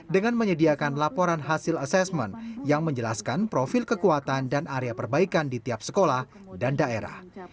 dengan menyediakan laporan hasil asesmen yang menjelaskan profil kekuatan dan area perbaikan di tiap sekolah dan daerah